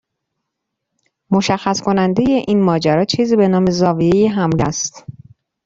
مشخص کننده این ماجرا چیزی به نام زاویه حمله است.